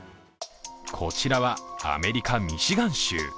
こちらはアメリカ・ミシガン州。